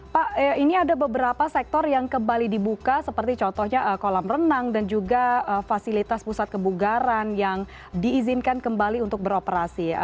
pak ini ada beberapa sektor yang kembali dibuka seperti contohnya kolam renang dan juga fasilitas pusat kebugaran yang diizinkan kembali untuk beroperasi